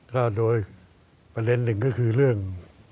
ก็โดยประเด็นหนึ่งก็คือเรื่อง